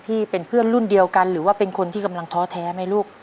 ที่เป็นเพื่อนรุ่นเดียวกันหรือว่าเป็นคนที่กำลังท้อแท้ไหมลูก